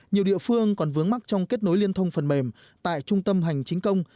nhiều địa phương còn vướng mắt trong kết nối liên thông phần mềm tại trung tâm hành chính công